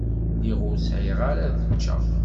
Lliɣ ur sɛiɣ ara ččeɣ.